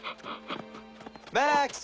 マックス！